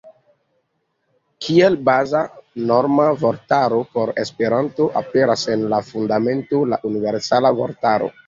Kiel baza norma vortaro por Esperanto aperas en la Fundamento la "Universala Vortaro".